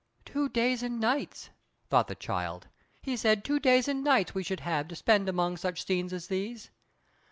"Two days and nights!" thought the child. "He said two days and nights we should have to spend among such scenes as these.